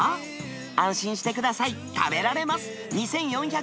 安心してください、食べられます。